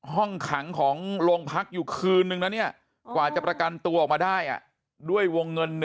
ห้องขังของโรงพักอยู่คืนนึงนะเนี่ยกว่าจะประกันตัวออกมาได้ด้วยวงเงิน๑